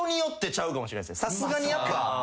さすがにやっぱ。